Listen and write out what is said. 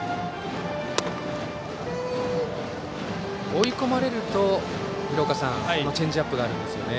追い込まれるとチェンジアップがあるんですね。